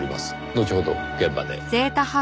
のちほど現場で。